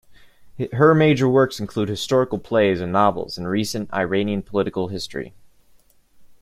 Her major works include historical plays and novels on recent Iranian political history.